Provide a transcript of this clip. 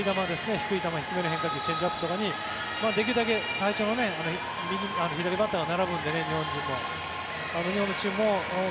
低い球、低めの変化球とかチェンジアップとかにできるだけ最初左バッターが並ぶので日本のチームも。